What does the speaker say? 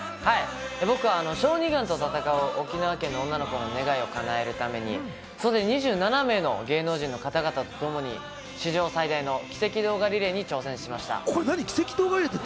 僕は小児がんと闘う沖縄県の女の子の願いを叶えるために総勢２７名の芸能人の方々と共に史上最大の奇跡動画リレーに挑戦しました。